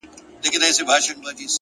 ښه نوم تر شتمنۍ ارزښتمن دی.!